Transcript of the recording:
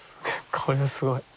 これはすごい。